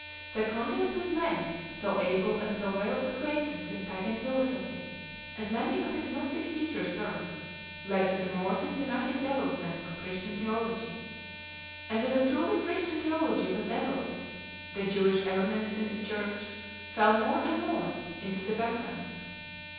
The contest with men so able and so well acquainted with pagan philosophy as many of the Gnostic teachers were led to the more systematic development of Christian theology; and as a truly Christian theology was developed, the Jewish elements in the Church fell more and more into the background.